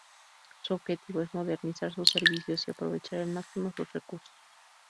Su objetivo es modernizar sus servicios y aprovechar al máximo sus recursos.